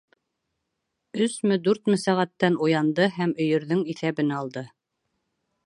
Өсмө, дүртме сәғәттән уянды һәм өйөрҙөң иҫәбен алды.